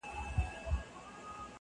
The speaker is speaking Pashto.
په نري تار مي تړلې یارانه ده،